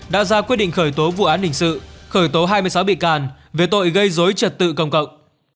đã ra quyết định khởi tố vụ án hình sự khởi tố hai mươi sáu bị can về tội gây dối trật tự công cộng